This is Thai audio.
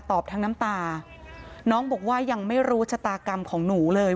ทั้งน้ำตาน้องบอกว่ายังไม่รู้ชะตากรรมของหนูเลย